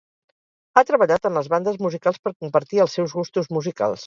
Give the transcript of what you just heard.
Ha treballat en les bandes musicals per compartir els seus gustos musicals.